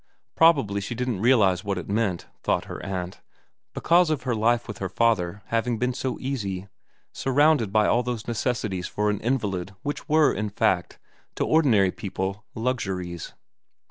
Probably she didn't realise what it meant, thought her aunt, because of her life with her father having been so easy, surrounded by all those necessities for an invalid which were, in fact, to ordinary people luxuries.